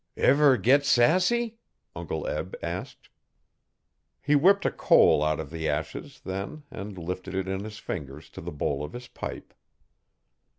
'Ever git sassy?' Uncle Eb asked. He whipped a coal out of the ashes then and lifted it in his fingers to the bowl of his pipe.